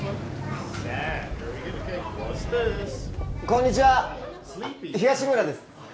こんにちは東村です